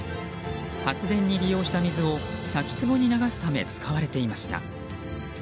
発電に利用した水を滝つぼに流すため使われていました。